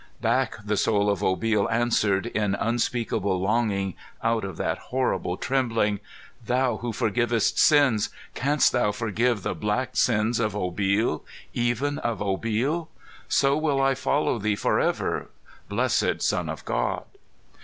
Back the soul of Obil answered, in unspeakable longing, out of that horrible trembling: "Thou who forgivest sins, canst thou forgive the black sins of Obil even of Obil? So will I follow thee forever, blessed Son of God!"